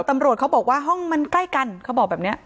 ตำรวจเขาบอกว่าห้องมันใกล้กันเขาบอกแบบนี้